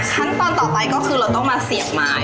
ขั้นตอนต่อไปก็คือเราต้องมาเสียบไม้